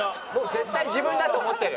絶対自分だと思ってる！